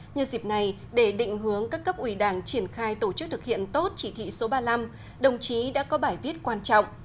như dịp này để định hướng các cấp ủy đảng triển khai tổ chức thực hiện tốt chỉ thị số ba mươi năm đồng chí đã có bài viết quan trọng